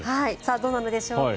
どうなのでしょうか。